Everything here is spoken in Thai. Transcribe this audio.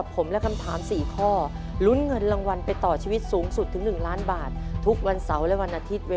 ๕๐๐๐บาทนี้ก็จะเอาไปเป็นทุน